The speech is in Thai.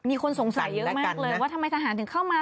มีคนสงสัยเยอะมากเลยนะ